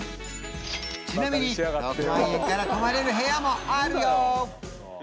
ちなみに６万円から泊まれる部屋もあるよ